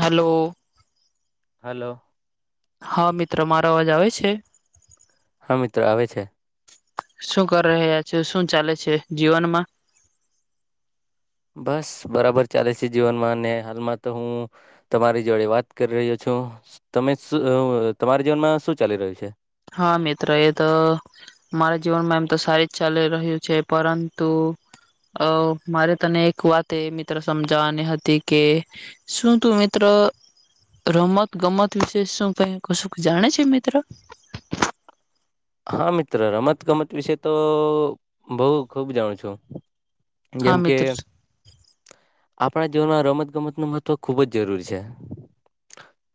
Hello hello હા મિત્ર મારો અવાજ આવે છે હા મિત્ર આવે છે શું કરી રહ્યા છે શું ચાલે છે જીવનમાં બસ બરાબર ચાલે છે જીવનમાં અને હાલમાં તો હું તમારી જોડે વાત કરી રહ્યો છું તમે શુ અ તમારા જીવનમાં શું ચાલી રહ્યું છે હા મિત્ર એ તો મારા જીવનમાં એમ તો સારી ચાલી રહ્યું છે પરંતુ અ મારે તને એક વાત એ મિત્ર સમજાવાની હતી કે શું તું મિત્ર રમત ગમત વિશે શું ક કશું જાણે છે મિત્ર હા મિત્ર રમત ગમત વિશે તો બઉ ખુબ જાણું છું હા જેમ કે મિત્ર આપણા જીવનમાં રમત ગમત ન મહત્વ ખૂબ જ જરૂરી છે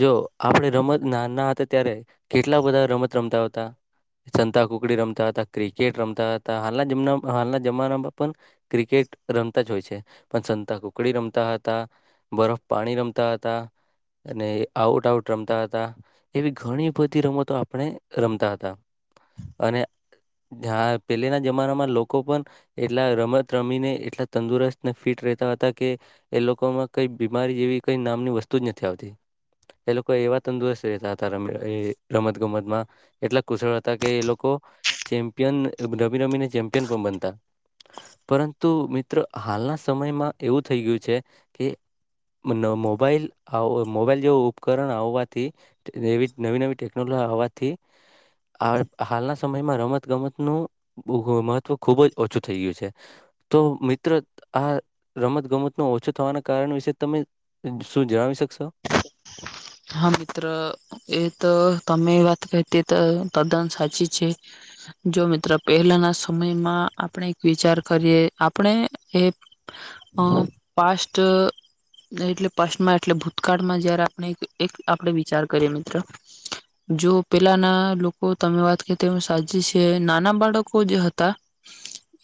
જો આપણે રમત ના ના હતા ત્યારે કેટલા બધા રમત રમતા હતા સંતાકુકડી રમતા હતા, ક્રિકેટ રમતા હતા. હાલના જમના હાલના જનામા પણ ક્રિકેટ રમતા જ હોય છે. પણ સંતાકુકડી રમતા હતા. બરફ પાણી રમતા હતા. અને આઉટ આઉટ રમતા હતા એવી ઘણી બધી રમતો આપણે રમતા હતા. અને હા પહેલાના જમાનામાં લોકો પણ એટલા રમત રમીને એટલા તંદુરસ્ત ફિટ રેતા હતા કે એ લોકોમાં કઈ બીમારી જેવી કઈ નામની વસ્તુ જ નથી આવતી એ લોકો એવા તંદુરસ્ત રહેતા હતા રમી એ રમત ગમતમાં એટલે કુશળ હતા કે એ લોકો ચેમ્પિયન રમી રમીને ચેમ્પિયન પણ બનતા પરંતુ મિત્ર હાલના સમયમાં એવું થઈ ગયું છે કે મોબાઈલ મોબાઈલ આવ જેવું ઉપકરણ આવવાથી એવી નવી-નવી ટેકનોલોજી આવવાથી હા હાલના સમયમાં રમત ગમતનું મત મહત્વ તો ખુબ જ ઓછું થઈ ગયું છે. તો મિત્ર આ રમતગમતનો ઓછો થવાના કારણ વિશે તમે શું જણાવી શકશો. હા મિત્ર એ તો તમે વાત કરી તે તો તદ્દન સાચી છે જો મિત્ર પહેલાના સમયમાં આપણે એક વિચાર કરીએ આપણે એ અ પાસ્ટ ટ એટલે પાસ્ટમાં એટલે ભૂતકાળમાં જયારે આપણે એક આપણે વિચાર કરીએ મિત્ર. જો પેલાના લોકો તમે વાત કરી તે વાત સાચી છે. નાના બાળકો જે હતા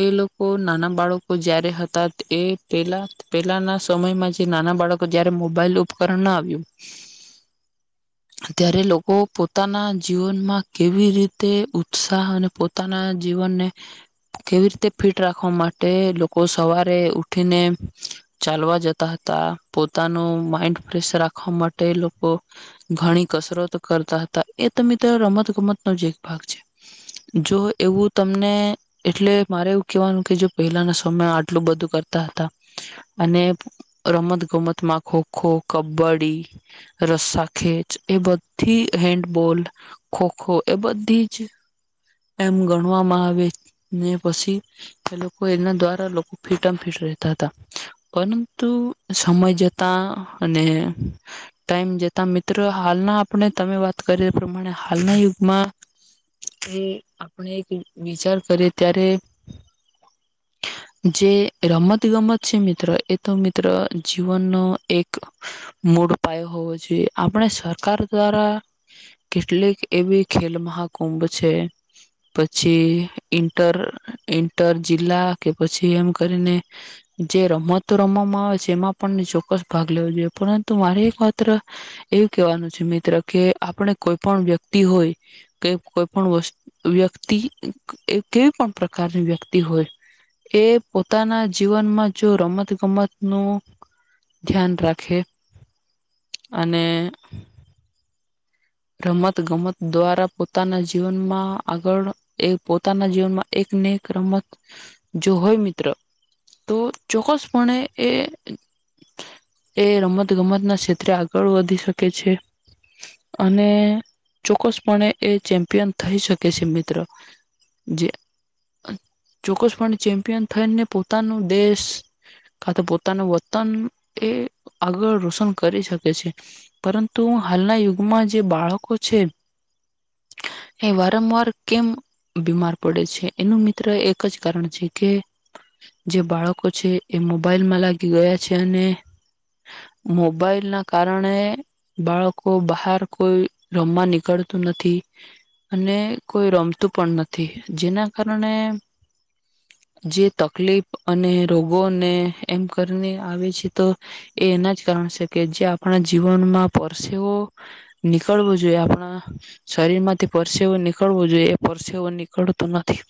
એ લોકો નાના બાળકો જયારે હતા એ પેલા પેલાના સમયમાં જે નાના બાળકો જયારે મોબાઈલ ઉપકરણ ના આવ્યું ત્યારે લોકો પોતાના જીવનમાં કેવી રીતે ઉત્સાહ અને પોતાના જીવનને કેવી રીતે ફિટ રાખવા માટે લોકો સવારે ઉઠીને ચાલવા જતા હતા. પોતાનું માઈન્ડ ફ્રેશ રાખવા માટે તે લોકો ઘણી કસરત કરતા હતા એ તો મિત્ર રમત ગમતનો જ એક ભાગ છે. જો એવું તમને એટલે મારે એવું કેવાનું કે પહેલાના સમય આટલું બધું કરતા હતા અને રમત ગમતમાં ખોખો, કબ્ડી રસ્સાખેચ એ બધી હેન્ડબોલ ખોખો એ બધી જ એમ ગણવામાં આવે ને પછી એ લોકો એના દ્વારા લોકો ફિટમ ફિટ રહેતા હતા પરંતુ સમય જતા અને ટાઈમ જતા મિત્ર હાલના આપણે તમે વાત કરીએ એ પ્રમાણે હાલના યુગમાં એ આપણે એક વિચાર કરીએ ત્યારે જે રમત ગમત છે મિત્ર એ તો મિત્ર જીવનનો એક મૂળ પાયો હોવો જોઈએ આપણે સરકાર દ્વારા કેટલીક એવી ખેલ મહાકુંભ છે પછી ઈન્ટર ઈન્ટર જિલ્લા કે પછી એમ કરીને જે રમતો રમવામાં આવે છે એમાં પણ ચોક્કસ ભાગ લેવો જોઈએ પરંતુ મારે માત્ર એવું કહેવાનું છે મિત્ર કે આપણે કોઈ પણ વ્યક્તિ હોય કે કોઈ પણ વસ્તુ વ્યક્તિ એ કેવી પણ પ્રકારની વ્યક્તિ હોય એ પોતાના જીવનમાં જો રમત-ગમતનું ધ્યાન રાખે અને રમત-ગમત દ્વારા પોતાના જીવનમાં આગળ એ પોતાના જીવનમાં એકને એક રમત જો હોય મિત્ર તો ચોક્કસપણે એ એ રમત-ગમત ના ક્ષેત્રે આગળ વધી શકે છે. અને ચોક્કસપણે એ ચેમ્પિયન થઈ શકે છે મિત્ર. જે ચોક્કસપણે ચેમ્પિયન થઈને પોતાનું દેશ કા તો પોતાનું વતન એ આગળ રોશન કરી શકે છે પરંતુ હાલના યુગ માં જે બાળકો છે એ વારંવાર કેમ બીમાર પડે છે એનું મિત્ર એક જ કારણ છે કે જે બાળકો છે એ મોબાઈલમાં લાગી ગયા છે અને મોબાઈલ ના કારણે બાળકો બા હાર કોઈ રમવા નીકળતું નથી અને કોઈ રમતું પણ નથી જેના કારણે જે તકલીફ અને રોગોને એમ કરીને આવે છે તો એ એના જ કારણ છે કે જે આપણા જીવનમાં પરસેવો નીકળવું જોઈએ આપણા શરીરમાંથી પરસેવો નીકળવો જોઈએ એ પરસેવો નીકળતું નથી.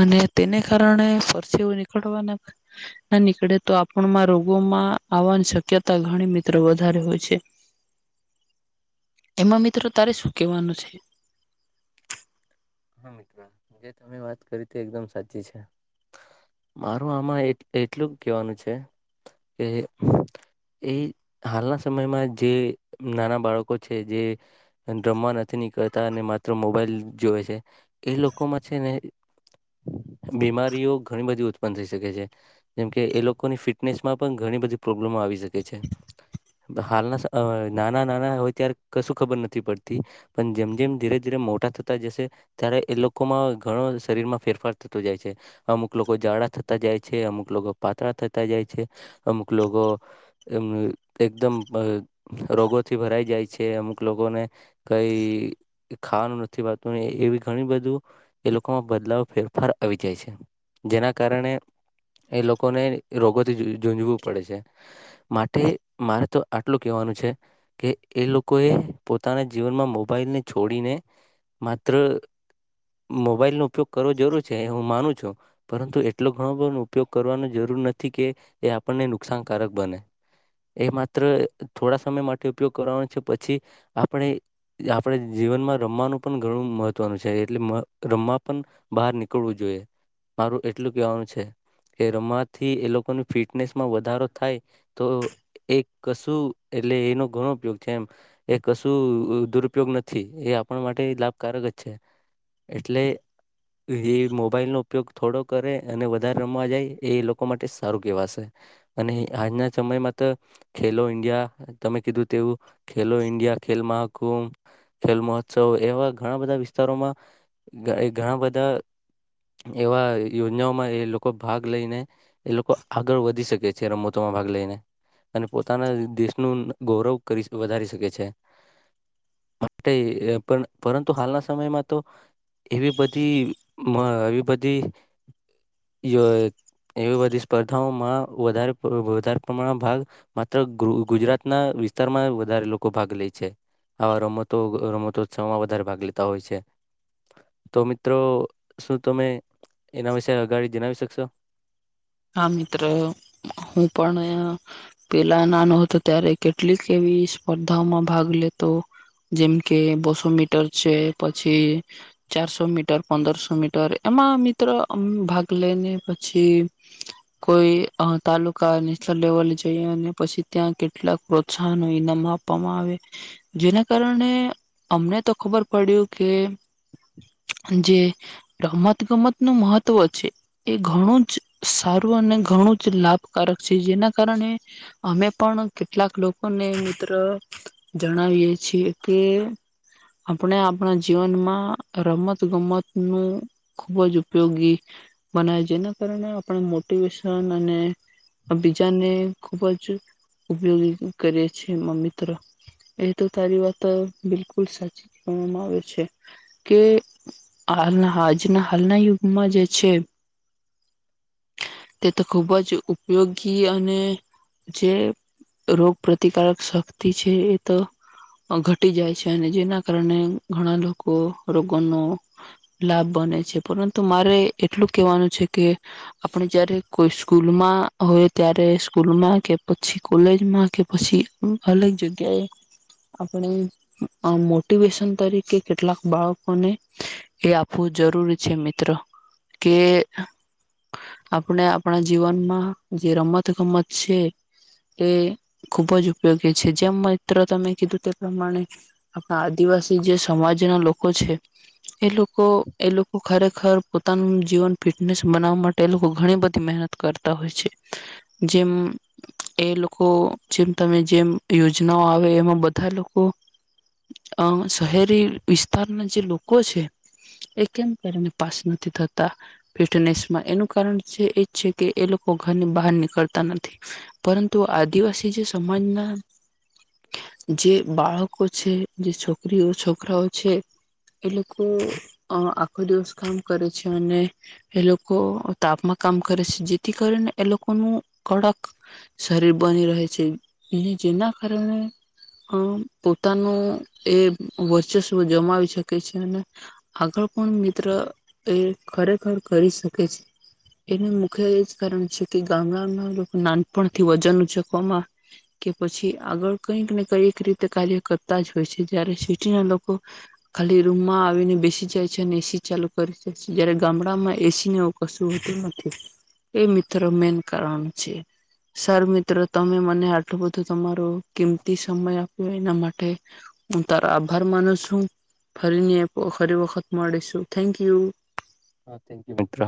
અને તેને કારણે પરસેવો નીકળવાના ના નીકળે તો આપણમાં રોગોમાં આવવાની શક્યતા ઘણી મિત્ર વધારે હોય છે. એમાં મિત્ર તારે શું કહેવાનું છે. જે તમે વાત કરી એકદમ સાચી છે. મારું આમાં એટ એટલું જ કેવાનું છે કે એ હાલના સમયમાં જે નાના બાળકો છે, જે રમવા નથી નીકળતા ને માત્ર મોબાઈલ જોવે છે એ લોકોમાં છે ને બીમારીઓ ઘણી બધી ઉત્પન્ન થઈ શકે છે. જેમકે એ લોકોની ફિટનેસમાં પણ ઘણી બધી પ્રોબ્લેમો આવી શકે છે. હાલના અહ નાના-નાના હોય ત્યારે કશું ખબર નથી પડતી, પણ જેમ-જેમ ધીરે-ધીરે મોટા થતા જશે ત્યારે એ લોકોમાં ઘણો શરીરમાં ફેરફાર થતો જાય છે. અમુક લોકો જાડા થતા જાય છે, અમુક લોકો પાતળા થતા જાય છે, અમુક લોકો એમ એકદમ રોગોથી ભરાઈ જાય છે, અમુક લોકોને કઈ ખાવાનું નથી ભાવતું ને એવી ઘણી બધું એ લોકોમાં બદલાવ ફેરફાર આવી જાય છે. જેના કારણે એ લોકોને રોગોથી જૂં ઝૂઝવું પડે છે. માટે મારે તો આટલું કહેવાનું છે કે એ લોકોએ પોતાના જીવનમાં મોબાઈલને છોડીને માત્ર મોબાઈલનો ઉપયોગ કરવો જરૂરી છે એ હું માનું છું, પરંતુ એટલો ઘણો બધો ઉપયોગ કરવાની જરૂર નથી કે એ આપણને નુકસાનકારક બને. એ માત્ર થોડા સમય માટે ઉપયોગ કરવાનો છે, પછી આપણે આપણે જીવનમાં રમવાનું પણ ઘણું મહત્ ત્વનું છે, એટલે રમવા પણ બહાર નીકળવું જોઈએ. મારું એટલું કહેવાનું છે, કે રમવાથી એ લોકોની ફિટનેસમાં વધારો થાય, તો એ કશું એટલે એનો ઘણો ઉપયોગ છે એમ. એ કશું અહ દુરપયોગ નથી, એ આપણ માટે લાભકારક જ છે. એટલે એ મોબાઈલ નો ઉપયોગ થોડો કરે અને વધારે રમવા જાય એ એ લોકો માટે સારું કેહેવાશે. અને આજના સમયમાં તો ખેલો ઈન્ડિયા તમે કીધું તેવું ખેલો ઈન્ડિયા, ખેલ મહાકુંભ, ખેલ મહોત્સવ, એવા ઘણા બધા વિશ [unintelligible] માં એ ઘણા બધા એવા યોજનાઓમાં એ લોકો ભાગ લઈને એ લોકો આગળ વધી શકે છે રમતોમાં ભાગ લઈને, અને પોતાના દેશનું ગૌરવ કરી વધારી શકે છે. માટે પર પરંતુ હાલના સ મયમાં તો એવી બધી મ એ બધી [unintelligible] એવી બધી સ્પર્ધાઓમાં વધાર પ વધારે પ્રમાણમાં ભાગ માત્ર ગુ ગુજરાતના વિસ્તારમાં વધારે લોકો ભાગ લે છે, આવા રમતો રમતોત્સવમાં વધારે ભાગ લે તા હોય છે. તો મિત્રો શું તમે એના વિશે અગાડી જણાવી શકશો? હા મિત્ર. હું પણ પેલા નાનો હતો ત્યારે કેટલીક એવી સ્પર્ધાઓમાં ભાગ લેતો જેમ કે બસો મીટર છે, પછી ચારસો મીટર, પંદરસો મીટર એમાં મિત્ર ભાગ લઈને પછી કોઈ અહ તાલુકા નેશનલ લેવલે જઈ અને પછી ત્યાં કેટલાક પ્રોત્સાહન ઈનામ આપવામાં આવે. જેના કારણે અમને તો ખબર પડ્યું કે જે રમત ગમત નું મહત્વ છે એ ઘણું જ સારું અને ઘણું જ લાભકારક છે, જેના કારણે અમે પણ કેટલાક લોકોને મિત્ર જણાવીએ છીએ કે આપણે આપણા જીવનમાં રમત ગમત નું ખુબ જ ઉપયોગી બનાવે. જેના કારણે પણ મોટિવેશન અને બીજાને ખુબ જ ઉપયોગી કરે છે. મ મિત્ર એ તો તારી વાત બિલકુલ સાચી [unintelligible] માં આવે છે, કે હાલના આજના હાલના યુગમાં જે છે તે તો ખૂબ જ ઉપયોગી અને જે રોગ પ્રતિકારક શક્તિ છે એ તો અહ ઘટી જાય છે, અને જેના કારણે ઘણા લોક કો રોગો નો લાભ બને છે. પરંતુ મારે એટલું કેવાનું છે કે આપણે જયારે કોઈ સ્કૂલમાં હોય ત્યારે સ્કૂલમાં, કે પછી કોલેજમાં, કે પછી અલગ જગ્યાએ આપણે અહ મોટિવેશન તરીકે કેટલાક બાળકોને એ આપવું જરૂરી છે મિત્ર, કે આપણે આપણા જીવનમાં જે રમત ગમત છે એ ખુબ જ ઉપયોગી છે જેમ મિત્ર તમે કીધું તે પ્રમાણે આપણા આદિવાસી જે સમાજના લોકો છે એ લોકો એ લોકો ખરેખર પોતાનું જીવન ફિટનેસ બનાવવા માટે એ લોકો ઘણી બધી મહેનત કરતા હોય છે જેમ એ લોકો જેમ તમે જેમ યોજનાઓ આવે એમાં બધા લોકો શહેરી વિસ્તારના જે લોકો છે એ કેમ કરી પાસ નથી થતા ફટનેસમાં એ એ છે કે એ લોકો ઘરની બહાર નીકળતા નથી પરંતુ આદિવાસી જે સમાજના જે બાળકો છે જે છોકરીઓ છોકરાઓ છે એ લોકો આખો દિવસ કામ કરે છે અને એ લોકો તાપમાં કામ કરે છે જેથી કરીએ લોકોનું કડક શરીર બની રહે છે જેના કારણે પોતાનું એ વર્ચસ્વ જમાવી શકે છે અને આગળ પણ મિત્ર એ ખરેખર કરી શકે છે એનું મુખ્ય એ જ કારણ છે કે ગામડાના લોકો નાનપણથી વજન ઉચકવામાં કે પછી આગળ કઈક ને [unintelligible] રીતે કાર્ય કરતા જ હોય છે જયારે સિટીના લોકો ખાલી રૂમમાં આવીને બેસી જાય છે અને એસી ચાલુ કરી જાય છે જારે ગામડામાં એસી કશુંતું નથી એ મિત્ર મેન કારણ છે સર મિત્રો તમે મને આટલું બધું તમારો કિમતી સમય આપ્યો એના માટે હું તારો આભાર માનું છું ફરી ફરી વખત મળીશું થેકુ હા થેન્ક યુ મિત્ર